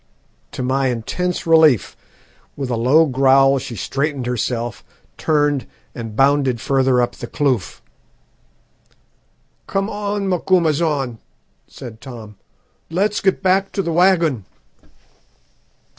"To my intense relief, with a low growl she straightened herself, turned, and bounded further up the kloof. "'Come on, Macumazahn,' said Tom, 'let's get back to the waggon.'